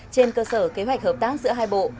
trên cơ sở kế hoạch hợp tác giữa hai bộ